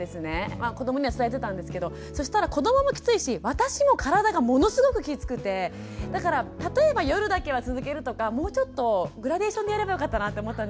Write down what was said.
子どもには伝えてたんですけどそしたら子どももきついし私も体がものすごくきつくてだから例えば夜だけは続けるとかもうちょっとグラデーションでやればよかったなって思ったんですよね。